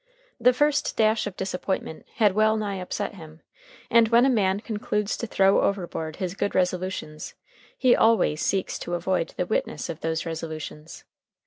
The first dash of disappointment had well nigh upset him. And when a man concludes to throw overboard his good resolutions, he always seeks to avoid the witness of those resolutions.